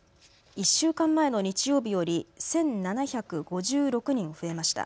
１週間前の日曜日より１７５６人増えました。